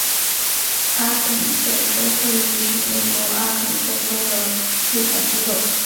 阿肯色州议会是美国阿肯色州的立法机构。